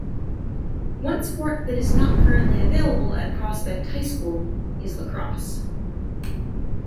One sport that is not currently available at Prospect High School is lacrosse.